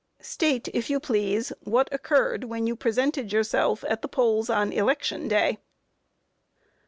Q. State, if you please, what occurred when you presented yourself at the polls on election day?